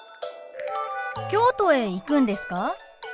京都へ行くんですか？